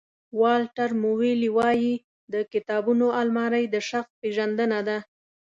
والټر مویلي وایي د کتابونو المارۍ د شخص پېژندنه ده.